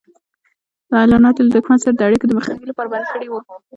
اعلانات یې له دښمن سره د اړیکو د مخنیوي لپاره بند کړي وو.